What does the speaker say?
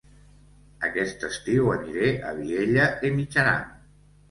Aquest estiu aniré a Vielha e Mijaran